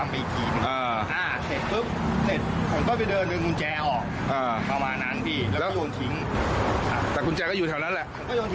เพราะคุณแจก็อยู่แถวนั้นแหละ